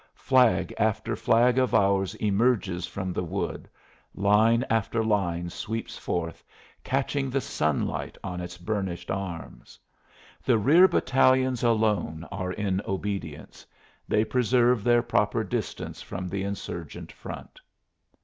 Flag after flag of ours emerges from the wood, line after line sweeps forth, catching the sunlight on its burnished arms. The rear battalions alone are in obedience; they preserve their proper distance from the insurgent front.